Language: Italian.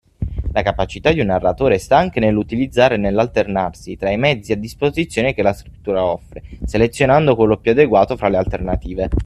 La capacità di un narratore sta anche nell’utilizzare e nell’alternarsi tra i mezzi a disposizione che la scrittura offre, selezionando quello più adeguato fra le alternative.